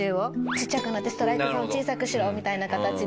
ちっちゃくなってストライクゾーン小さくしろみたいな形で。